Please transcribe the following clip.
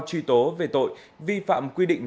truy tố về tội vi phạm quy định